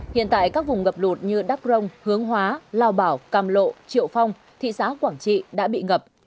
hiện tại các vùng ngập lụt như đắk rông hướng hóa lao bảo càm lộ triệu phong thị xã quảng trị đã bị ngập